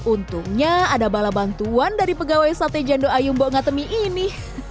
untungnya ada bala bantuan dari pegawai sate jandul ayumbo ngatemi ini